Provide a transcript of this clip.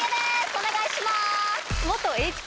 お願いします。